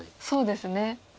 そうですね